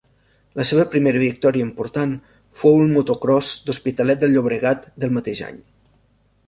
La seva primera victòria important fou al motocròs d'Hospitalet de Llobregat del mateix any.